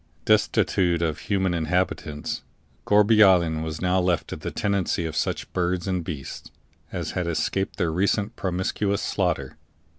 Destitute of human inhabitants, Gourbi Island was now left to the tenancy of such birds and beasts as had escaped the recent promiscuous slaughter.